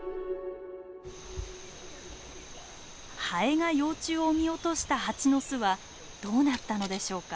ハエが幼虫を産み落としたハチの巣はどうなったのでしょうか。